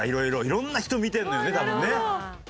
いろんな人を見てんのよね多分ね。